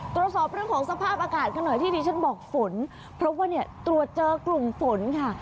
ตรวจสอบเรื่องของสภาพอากาศกันหน่อยที่ดิฉันบอกฝนเพราะว่าเนี่ยตรวจเจอกลุ่มฝนค่ะ